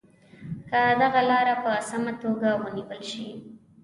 که دغه لاره په سمه توګه ونیول شي.